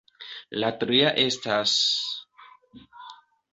La tria estas...